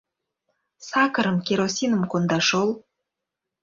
Сакырым, керосиным конда шол.